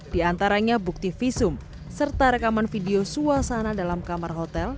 di antaranya bukti visum serta rekaman video suasana dalam kamar hotel